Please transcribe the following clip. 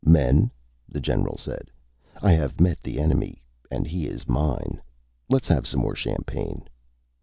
"Men," the general said, "I have met the enemy and he is mine. Let's have some more champagne."